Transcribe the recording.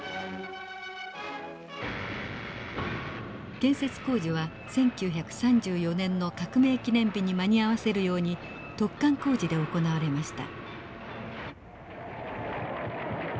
建設工事は１９３４年の革命記念日に間に合わせるように突貫工事で行われました。